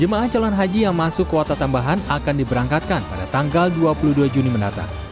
jemaah calon haji yang masuk kuota tambahan akan diberangkatkan pada tanggal dua puluh dua juni mendatang